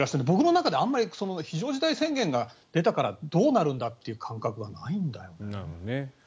僕の中ではあまり非常事態宣言が出たからどうなるんだという感覚はないんだよね。